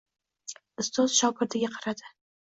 Ustoz shogirdiga qaradi